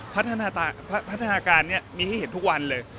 พัฒนาการนี้มีให้เห็นทุกวันเลย